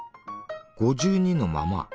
５２のまま。